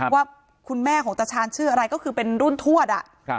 ว่าคุณแม่ของตาชาญชื่ออะไรก็คือเป็นรุ่นทวด